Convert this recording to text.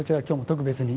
特別に。